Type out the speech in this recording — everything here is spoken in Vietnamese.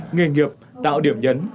nghề nghiệp tạo điểm nhấn